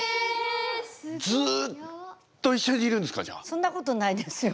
そんなことないですよ。